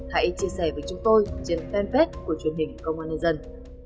hãy chia sẻ với chúng tôi trên fanpage của truyền hình công an nhân dân